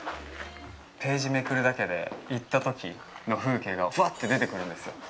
ページめくるだけで行ったときの風景がふわって出てくるんですよ。